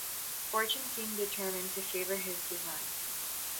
Fortune seemed determined to favour his design.